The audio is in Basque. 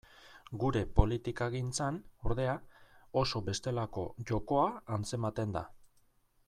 Gure politikagintzan, ordea, oso bestelako jokoa antzematen da.